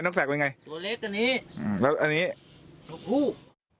แล้วอันนี้นกฮูก